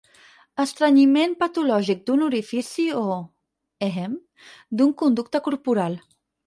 Estrenyiment patològic d'un orifici o, ehem, d'un conducte corporal.